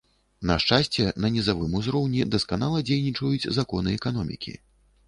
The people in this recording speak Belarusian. На шчасце, на нізавым узроўні дасканала дзейнічаюць законы эканомікі.